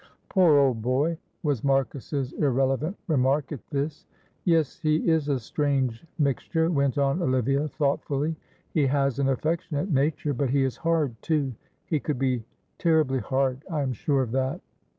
'" "Poor old boy," was Marcus's irrelevant remark at this. "Yes, he is a strange mixture," went on Olivia, thoughtfully. "He has an affectionate nature, but he is hard too; he could be terribly hard, I am sure of that.